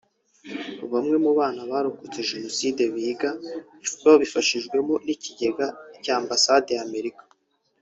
Bamwe mu bana barokotse Jenoside biga babifashijwemo n’ikigega cya Ambasade ya Amerika